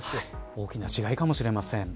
大きな違いかもしれません。